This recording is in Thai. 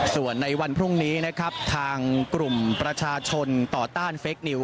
ส่วนในวันพรุ่งนี้นะครับทางกลุ่มประชาชนต่อต้านเฟคนิว